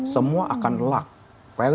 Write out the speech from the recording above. semua akan beruntung